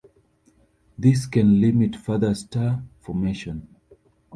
This can limit further star formation.